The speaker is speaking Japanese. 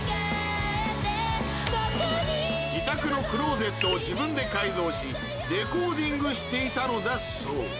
自宅のクローゼットを自分で改造しレコーディングしていたのだそう